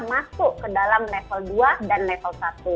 masuk ke dalam level dua dan level satu